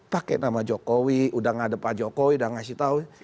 pakai nama jokowi udah gak ada pak jokowi udah ngasih tahu